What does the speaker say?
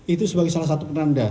itu sebagai salah satu penanda